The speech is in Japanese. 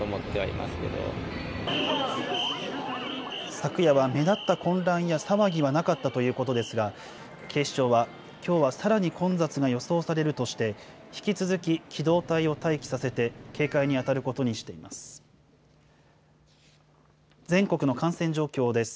昨夜は目立った混乱や騒ぎはなかったということですが、警視庁は、きょうはさらに混雑が予想されるとして、引き続き機動隊を待機させて、警戒に当たることにしています。